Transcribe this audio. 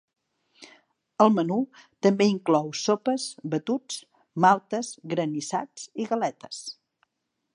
El menú també inclou sopes, batuts, maltes, granissats i galetes.